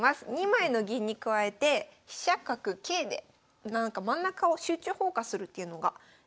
２枚の銀に加えて飛車角桂で真ん中を集中砲火するっていうのが狙いになります。